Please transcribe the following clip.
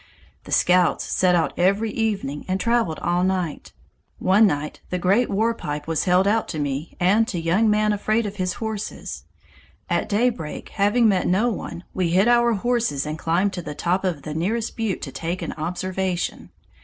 The scouts set out every evening and traveled all night. One night the great war pipe was held out to me and to Young Man Afraid of His Horses. At daybreak, having met no one, we hid our horses and climbed to the top of the nearest butte to take an observation.